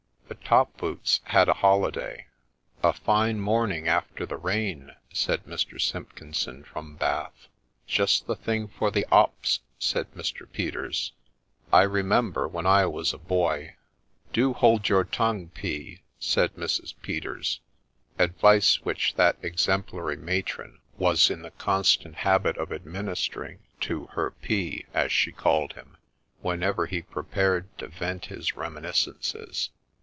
The ' top boots ' had a holiday. ' A fine morning after the rain,' said Mr. Simpkinson from Bath. ' Just the thing for the 'ops,' said Mr. Peters. ' I remember when I was a boy ' 4 Do hold your tongue, P.,' said Mrs. Peters, — advice which that exemplary matron was in the constant habit of administer 8 THE SPECTRE ing to ' her P.' as she called him, whenever he prepared to vent his reminiscences.